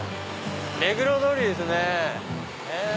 目黒通りですね。